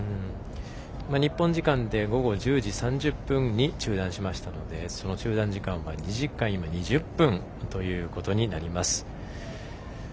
日本時間で午後１０時３５分に中断しましたのでその中断時間は２時間２０分ということになります。